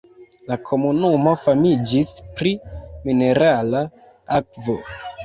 La komunumo famiĝis pri minerala akvo.